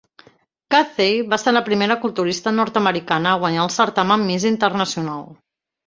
Cathey va ser la primera culturista nord-americana a guanyar el certamen Miss Internacional.